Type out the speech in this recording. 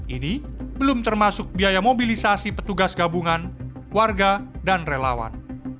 ini belum termasuk biaya mobilisasi petugas gabungan warga dan relawan